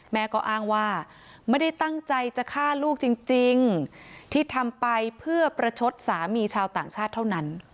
แม่ก็อ้างว่าไม่ได้ตั้งใจจะฆ่าลูกจริงที่ทำไปเพื่อประชดสามีชาวต่างชาติเท่านั้น